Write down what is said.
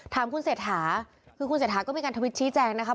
ถามคุณเสร็จหาคือคุณเสร็จหาก็มีการธวิตชี้แจงนะครับ